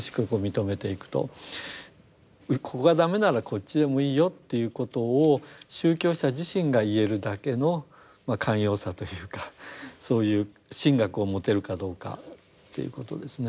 ここが駄目ならこっちでもいいよっていうことを宗教者自身が言えるだけのまあ寛容さというかそういう神学を持てるかどうかということですね。